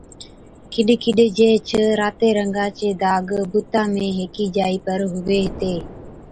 ڪِڏ ڪِڏ جيهچ راتي رنگا چي داگ بُتا ۾ هيڪِي جائِي پر هُوي هِتي